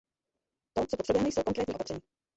To, co potřebujeme, jsou konkrétní opatření.